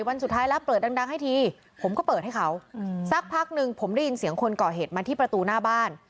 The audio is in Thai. วันสุดท้ายแล้วเปิดดังให้ทีผมก็เปิดให้เขาสักพักหนึ่งผมได้ยินเสียงคนก่อเหตุมาที่ประตูหน้าบ้าน